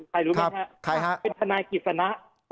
รู้ไหมครับเป็นทนายกิจสนะ